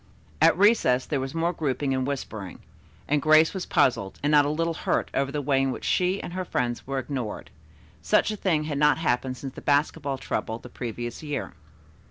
At recess there was more grouping and whispering, and Grace was puzzled and not a little hurt over the way in which she and her friends were ignored. Such a thing had not happened since the basketball trouble the previous year.